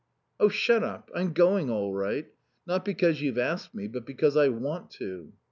"Oh, shut up. I'm going all right. Not because you've asked me, but because I want to."